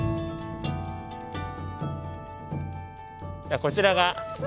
こちらが。